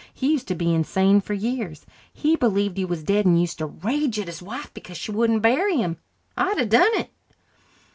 He used to be insane for years. He believed he was dead and used to rage at his wife because she wouldn't bury him. I'd a done it."